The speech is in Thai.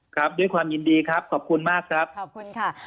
ครับด้วยความยินดีครับขอบคุณมากครับขอบคุณค่ะ